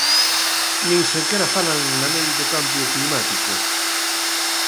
Nin sequera falan na lei do cambio climático.